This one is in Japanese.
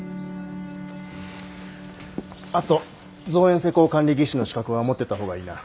あと造園施工管理技士の資格は持ってた方がいいな。